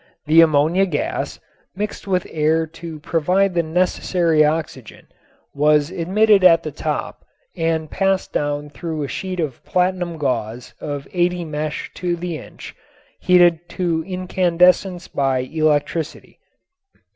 The ammonia gas, mixed with air to provide the necessary oxygen, was admitted at the top and passed down through a sheet of platinum gauze of 80 mesh to the inch, heated to incandescence by electricity.